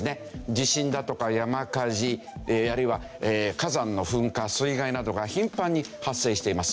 地震だとか山火事あるいは火山の噴火水害などが頻繁に発生しています。